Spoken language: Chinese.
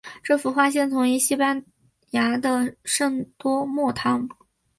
这幅画现存于西班牙的圣多默堂。